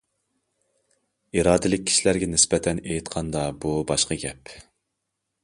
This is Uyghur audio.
ئىرادىلىك كىشىلەرگە نىسبەتەن ئېيتقاندا، بۇ باشقا گەپ.